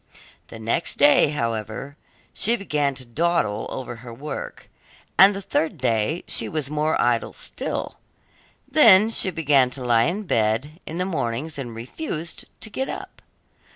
The next day, however, she began to dawdle over her work, and the third day she was more idle still; then she began to lie in bed in the mornings and refused to get up.